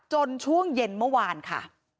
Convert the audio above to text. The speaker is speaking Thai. ช่วงเย็นเมื่อวานค่ะ